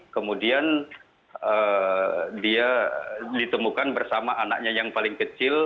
kemudian dia ditemukan bersama anaknya yang paling kecil